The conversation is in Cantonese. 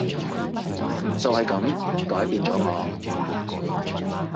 就係噉改變咗我